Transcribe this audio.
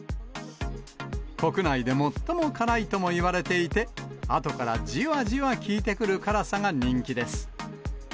国内で最も辛いともいわれていて、あとからじわじわ効いてくる辛さが人気です。